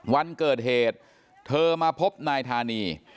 วันเกิดเหตุเธอมาพบนายธานี